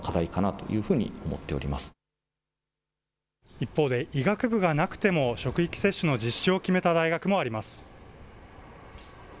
一方で、医学部がなくても職域接種の実施を決めた大学もあります。